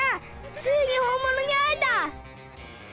ついに本ものに会えた！